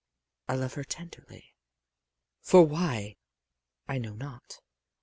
I love her tenderly. For why, I know not.